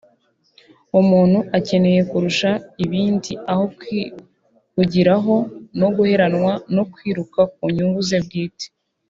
umuntu akeneye kurusha ibindi aho kwihugiraho no guheranwa no kwiruka ku nyungu ze bwite